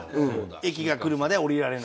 駅が来るまで降りられない。